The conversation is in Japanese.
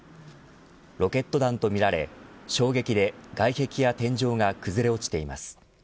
ロケット弾とみられ衝撃で外壁や天井が崩れ落ちています。